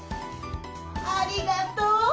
ありがとう。